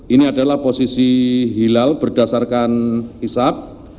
ini adalah posisi hilal berdasarkan hisap